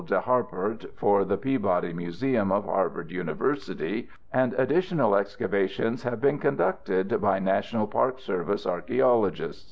De Harport for the Peabody Museum of Harvard University, and additional excavations have been conducted by National Park Service archeologists.